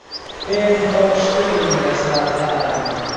پێم خۆشترن لە سازان